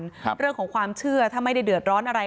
ครับเรื่องของความเชื่อถ้าไม่ได้เดือดร้อนอะไร